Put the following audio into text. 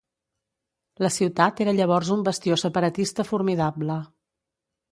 La ciutat era llavors un bastió separatista formidable.